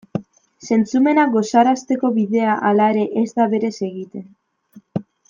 Zentzumenak gozarazteko bidea, halere, ez da berez egiten.